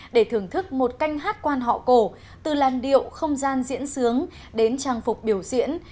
để thưởng thức một canh hát quan họ cổ từ làn điệu không gian diễn sướng đến trang phục biểu diễn